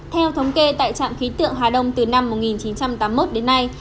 theo thống kê tại trạm khí tượng hà đông từ năm một nghìn chín trăm tám mươi một đến nay